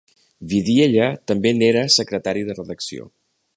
Vidiella també n'era secretari de redacció.